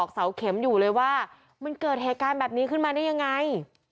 เสาเข็มอยู่เลยว่ามันเกิดเหตุการณ์แบบนี้ขึ้นมาได้ยังไง